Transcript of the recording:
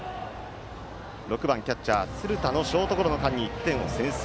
６番キャッチャー、鶴田のショートゴロの間に１点を先制。